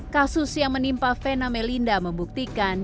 kasus yang menimpa vena melinda membuktikan